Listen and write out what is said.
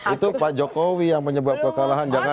itu pak jokowi yang menyebabkan kekalahan jakarta